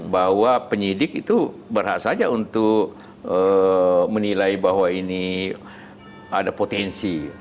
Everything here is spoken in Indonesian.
bahwa penyidik itu berhak saja untuk menilai bahwa ini ada potensi